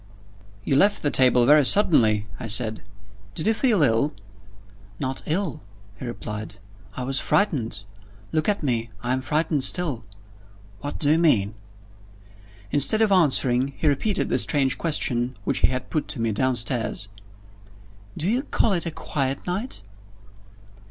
"You left the table very suddenly," I said. "Did you feel ill?" "Not ill," he replied. "I was frightened. Look at me I'm frightened still." "What do you mean?" Instead of answering, he repeated the strange question which he had put to me downstairs. "Do you call it a quiet night?"